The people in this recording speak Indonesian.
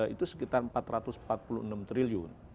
itu sekitar empat ratus empat puluh enam triliun